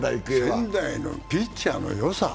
仙台のピッチャーのよさ。